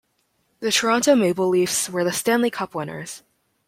The Toronto Maple Leafs were the Stanley Cup winners.